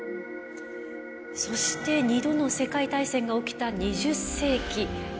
そして２度の世界大戦が起きた２０世紀。